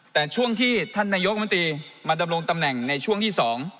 แต่ช่วงที่ท่านนายกมนตรีมาดำรงตำแหน่งในช่วงที่๒